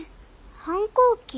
反抗期？